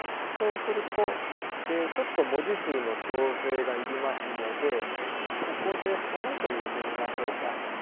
そうするとちょっと文字数の調整がいりますのでここで「その」と入れてみましょうか。